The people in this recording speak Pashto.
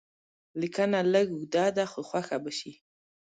لیکنه لږ اوږده ده خو خوښه به شي.